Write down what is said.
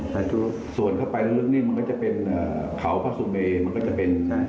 สาธุสวดเข้าไปลึกมันก็จะเป็นเขาพระสุเมนมันก็จะเป็นใช่